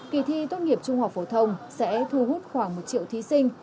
kỳ thi tốt nghiệp trung học hồ đông sẽ thu hút khoảng một triệu thí sinh